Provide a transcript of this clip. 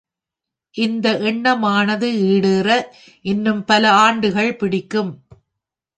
இந்த எண்ணமானது ஈடேற, இன்னும் பல ஆண்டுகள் பிடிக்கும்.